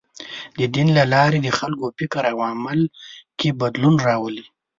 د دین له لارې د خلکو فکر او عمل کې بدلون راولي.